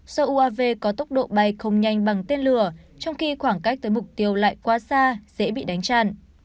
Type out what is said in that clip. so uav có tốc độ bay không nhanh bằng tên lửa trong khi khoảng cách tới mục tiêu lại quá xa dễ bị đánh chặn